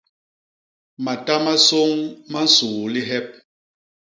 Mata ma sôñ ma nsuu lihep.